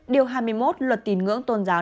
điều hai mươi một luật tín ngưỡng tôn giáo